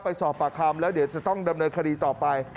ไปสอบปากคำแล้วเดี๋ยวจะต้องดำเนินคดีต่อไป